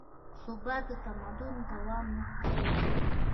ثبات د تمدن د دوام نښه ده.